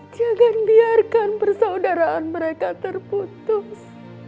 jangan biarkan persaudaraan mereka terputus